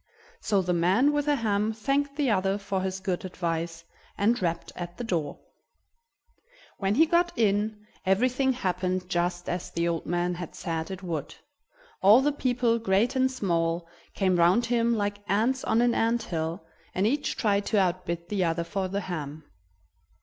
So the man with the ham thanked the other for his good advice, and rapped at the door. When he got in, everything happened just as the old man had said it would: all the people, great and small, came round him like ants on an ant hill, and each tried to outbid the other for the ham.